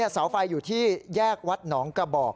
เสาไฟอยู่ที่แยกวัดหนองกระบอก